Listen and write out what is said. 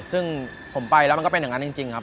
ซึ่งผมไปแล้วมันก็เป็นอย่างนั้นจริงครับ